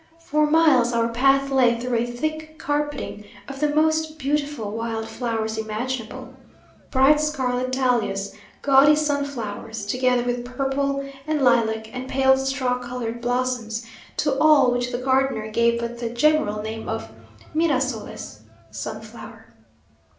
For miles our path lay through a thick carpeting of the most beautiful wild flowers imaginable: bright scarlet dahlias, gaudy sunflowers, together with purple and lilac, and pale straw coloured blossoms, to all which the gardener gave but the general name of mirasoles (sunflower).